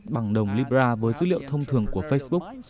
bằng đồng libra với dữ liệu thông thường của facebook